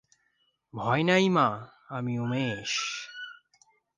ভয় নাই মা, আমি উমেশ।